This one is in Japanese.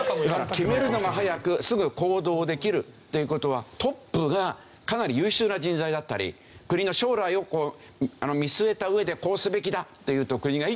決めるのが早くすぐ行動できるっていう事はトップがかなり優秀な人材だったり国の将来を見据えた上でこうすべきだ！と言うと。